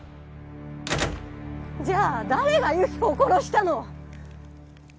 じゃあ誰が由紀子を殺したの！